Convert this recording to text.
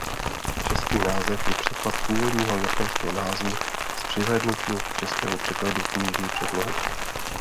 Český název je překlad původního japonského názvu s přihlédnutím k českému překladu knižní předlohy.